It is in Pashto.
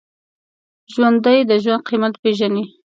ژوندي د ژوند قېمت پېژني